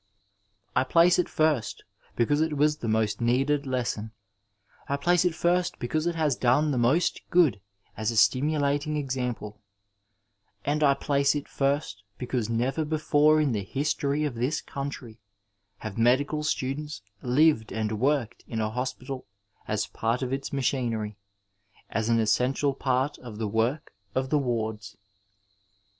I place it first because it was the most needed lesson, I place it first because it has done the most good as a slamulat ing example, and I place it first because never before in the history of this country have medical students lived and worked in a hospital as part of its machinery, as an essential part of the work of the wards.